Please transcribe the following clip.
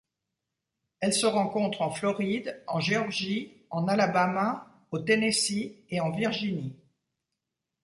Elle se rencontre en Floride, en Géorgie, en Alabama, au Tennessee et en Virginie.